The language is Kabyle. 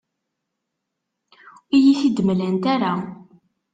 Ur iyi-t-id-mlant ara.